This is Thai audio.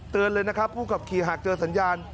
เลยนะครับผู้ขับขี่หากเจอสัญญาณ